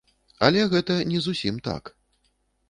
Але гэта не зусім так.